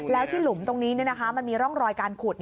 แล้วที่หลุมตรงนี้มันมีร่องรอยการขุด